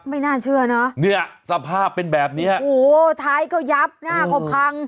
ไม่น่าเชื่อเนอะเนี่ยสภาพเป็นแบบเนี้ยโอ้โหท้ายก็ยับหน้าก็พัง